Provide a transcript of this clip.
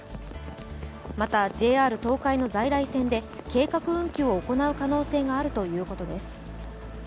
また、ＪＲ東海の在来線で計画運休を行う可能性があるということです。